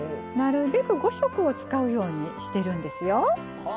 なるべく５色を使うようにしてるんですよ。